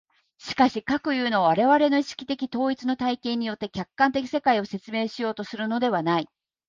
しかし、かくいうのは我々の意識的統一の体験によって客観的世界を説明しようとするのではない。